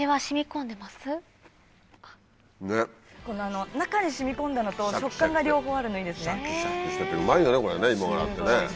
この中に染み込んだのと食感が両方あるのいいですね。